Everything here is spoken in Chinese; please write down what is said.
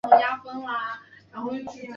卡拉瓦乔过着狂乱的生活。